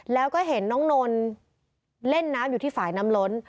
แล้วก็เห็นน้องนนเล่นน้ำอยู่ที่ฝ่ายน้ำล้น